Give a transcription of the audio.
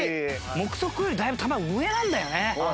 目測よりだいぶ球が上なんだよね。